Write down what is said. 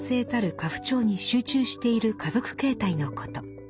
家父長に集中している家族形態のこと。